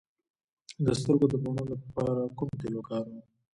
د سترګو د بڼو لپاره کوم تېل وکاروم؟